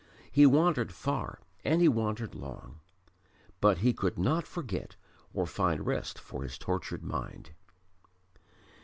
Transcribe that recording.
He wandered far and he wandered long, but he could not forget or find rest for his tortured mind.